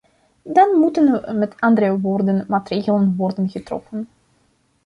Dan moeten, met andere woorden, maatregelen worden getroffen.